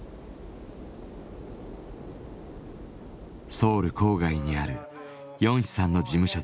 ソウル郊外にあるヨンヒさんの事務所です。